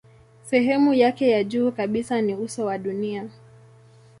Sehemu yake ya juu kabisa ni uso wa dunia.